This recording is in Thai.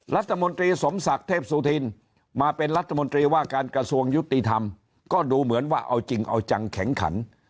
รัฐมนตรีสมศักดิ์เทพสุธินมาเป็นรัฐมนตรีว่าการกระทรวงยุติธรรมก็ดูเหมือนว่าเอาจริงเอาจังแข็งขัน